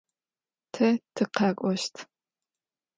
Te tıkhek'oşt.